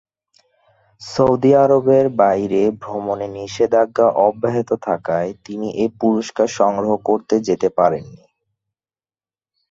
Saudi আরবের বাইরে ভ্রমণে নিষেধাজ্ঞা অব্যাহত থাকায়, তিনি এই পুরস্কার সংগ্রহ করতে যেতে পারেননি।